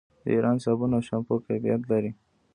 د ایران صابون او شامپو کیفیت لري.